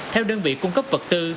theo đơn vị cung cấp vật tư